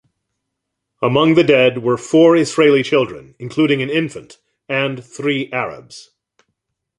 Among the dead were four Israeli children, including an infant, and three Arabs.